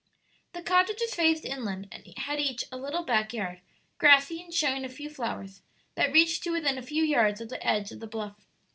The cottages faced inland, and had each a little back yard, grassy, and showing a few flowers, that reached to within a few yards of the edge of the bluff.